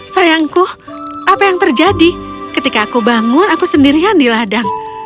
sayangku apa yang terjadi ketika aku bangun aku sendirian di ladang